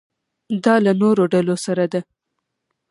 دا له نورو ډلو سره ده.